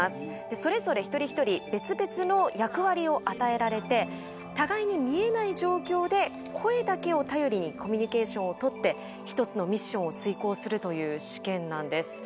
それぞれ一人一人別々の役割を与えられて互いに見えない状況で声だけを頼りにコミュニケーションをとって１つのミッションを遂行するという試験なんです。